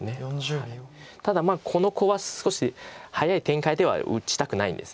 ただこのコウは少し早い展開では打ちたくないんです。